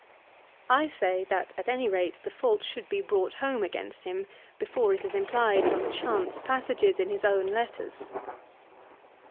I say that at any rate the fault should be brought home against him before it is implied from chance passages in his own letters.